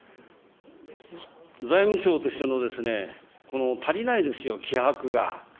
財務相としての足りないですよ、この気迫が。